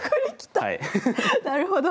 なるほど。